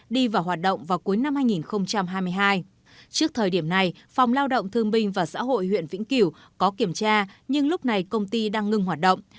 trước thời điểm này phòng lao động thương bình và xã hội huyện vĩnh kiểu có kiểm tra nhưng lúc này công ty đang ngừng hoạt động